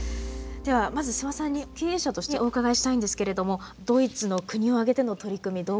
ではまず諏訪さんに経営者としてお伺いしたいんですけれどもドイツの国を挙げての取り組みどうご覧になりました？